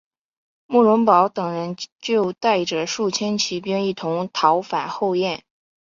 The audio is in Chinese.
慕容宝等人就带着数千骑兵一同逃返后燕。